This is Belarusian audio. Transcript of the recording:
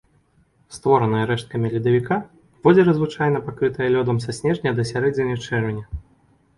Створанае рэшткамі ледавіка, возера звычайна пакрытае лёдам са снежня да сярэдзіны чэрвеня.